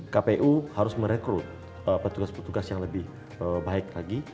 kpu harus merekrut petugas petugas yang lebih baik lagi